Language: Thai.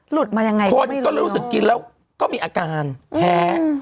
หลุดมายังไงก็ไม่รู้เนอะคนก็รู้สึกกินแล้วก็มีอาการแพ้